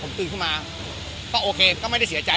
ผมตื่นขึ้นมาก็โอเคก็ไม่ได้เสียใจ